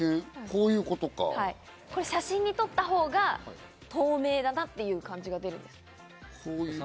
これ写真に撮った方が透明だなっていう感じが出るんです。